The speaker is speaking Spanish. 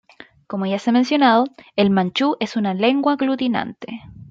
Como ya se ha mencionado, el manchú es una lengua aglutinante.